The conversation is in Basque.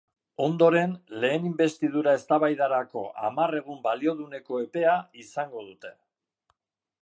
Ondoren, lehen inbestidura eztabaidarako hamar egun balioduneko epea izango dute.